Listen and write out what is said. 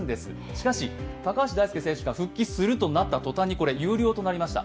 しかし、高橋大輔選手が復帰するとなったとたんに有料となりました。